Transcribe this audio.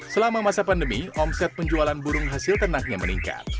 selama masa pandemi omset penjualan burung hasil ternaknya meningkat